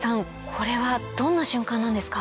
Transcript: これはどんな瞬間なんですか？